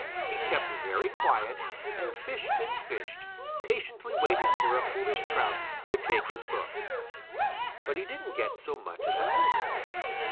He kept very quiet and fished and fished, patiently waiting for a foolish trout to take his hook. But he didn't get so much as a nibble.